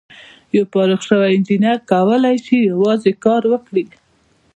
یو فارغ شوی انجینر کولای شي یوازې کار وکړي.